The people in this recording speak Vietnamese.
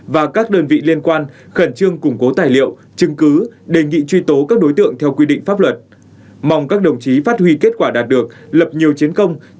và các đơn vị liên quan khẩn trương củng cố tài liệu chứng cứ đề nghị truy tố các đối tượng theo quy định pháp luật